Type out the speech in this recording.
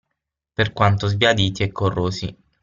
Per quanto sbiaditi e corrosi.